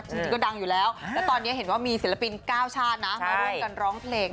จริงก็ดังอยู่แล้วแล้วตอนนี้เห็นว่ามีศิลปิน๙ชาตินะมาร่วมกันร้องเพลง